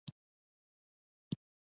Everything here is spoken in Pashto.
علمي سفر به يې هېڅ کله پای نه مومي.